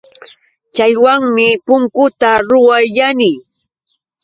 Chaywanmi punkuta ruwayani.